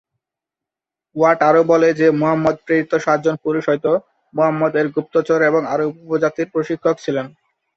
Watt আরও বলে যে মুহাম্মদ প্রেরিত সাতজন পুরুষ হয়ত মুহাম্মদ এর গুপ্তচর এবং আরব উপজাতির প্রশিক্ষক ছিলেন।